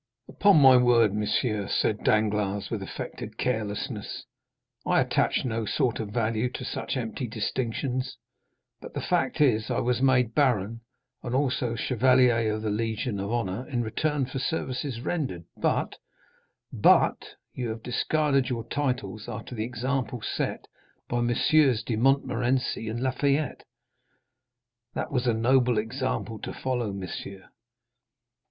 "Upon my word, monsieur," said Danglars with affected carelessness, "I attach no sort of value to such empty distinctions; but the fact is, I was made baron, and also chevalier of the Legion of Honor, in return for services rendered, but——" "But you have discarded your titles after the example set you by Messrs. de Montmorency and Lafayette? That was a noble example to follow, monsieur."